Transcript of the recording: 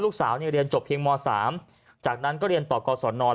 ลูกสาวเรียนจบเพียงม๓จากนั้นก็เรียนต่อก่อสอนนอน